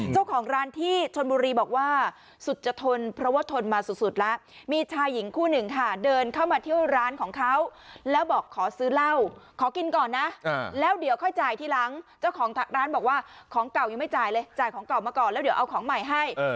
เจ้าของร้านที่ชนบุรีบอกว่าสุดจะทนเพราะว่าทนมาสุดแล้วมีชายหญิงคู่หนึ่งค่ะเดินเข้ามาเที่ยวร้านของเขาแล้วบอกขอซื้อเหล้าขอกินก่อนนะแล้วเดี๋ยวค่อยจ่ายทีหลังเจ้าของร้านบอกว่าของเก่ายังไม่จ่ายเลยจ่ายของเก่ามาก่อนแล้วเดี๋ยวเอาของใหม่ให้